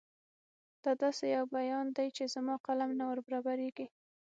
دا داسې یو بیان دی چې زما قلم نه وربرابرېږي.